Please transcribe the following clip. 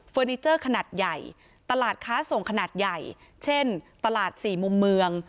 นิเจอร์ขนาดใหญ่ตลาดค้าส่งขนาดใหญ่เช่นตลาดสี่มุมเมือง